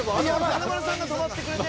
華丸さんが止まってくれて。